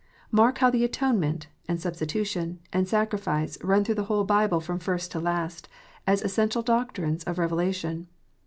Mark how the atonement, and substitution, and sacrifice, run through the whole Bible from first to last, as essential doctrines of revelation.